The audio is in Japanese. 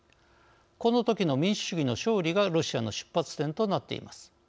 このときの「民主主義の勝利」がロシアの出発点となっています。